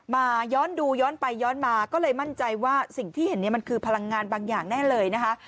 มาย้อนดูย้อนไปย้อนมาก็เลยมั่นใจว่าสิ่งที่เห็นเนี่ยมันคือพลังงานบางอย่างแน่เลยนะคะ